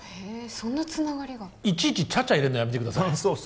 そんなつながりがいちいちちゃちゃ入れんのやめてくださいそう